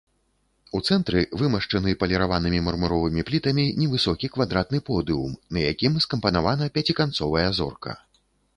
У цэнтры вымашчаны паліраванымі мармуровымі плітамі невысокі квадратны подыум, на якім скампанавана пяціканцовая зорка.